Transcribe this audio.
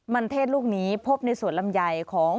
มันเทศลูกนี้พบในสวนลำไยของ